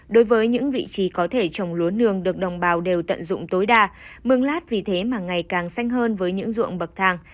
đối với những vị trí có thể trồng lúa nương được đồng bào đều tận dụng tối đa mương lát vì thế mà ngày càng xanh hơn với những ruộng bậc thang